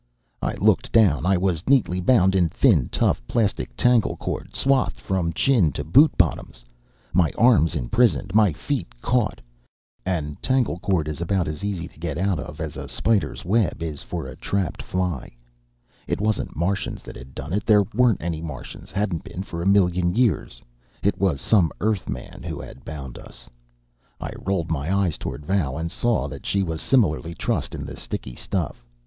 I looked down. I was neatly bound in thin, tough, plastic tangle cord, swathed from chin to boot bottoms, my arms imprisoned, my feet caught. And tangle cord is about as easy to get out of as a spider's web is for a trapped fly. It wasn't Martians that had done it. There weren't any Martians, hadn't been for a million years. It was some Earthman who had bound us. I rolled my eyes toward Val, and saw that she was similarly trussed in the sticky stuff.